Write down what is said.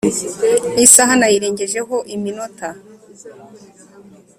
isaha nayirengejeho iminota .